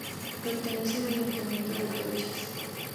Pertenece al Ayuntamiento de Truchas.